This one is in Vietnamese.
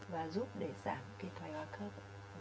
và giúp để giảm cái thoải hoa khớp